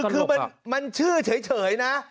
คือมันชื่อเฉยนะ